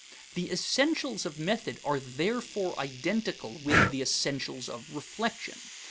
The essentials of method are therefore identical with the essentials of reflection.